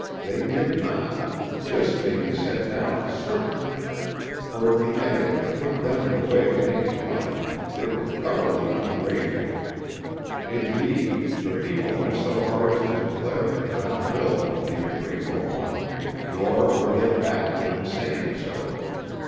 They did not; this may be set down as certain, for if the editor had put them in the way of making money, they were thoroughly ungrateful. Indeed, the people went so far as to declare that John Bill was the ungrateful one, nor were they backward in saying so.